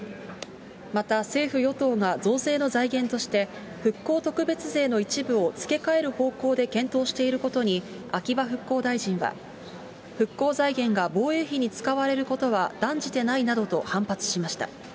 また政府・与党が増税の財源として、復興特別税の一部を付け替える方向で検討していることに、秋葉復興大臣は、復興財源が防衛費に使われることは断じてないなどと反発しました。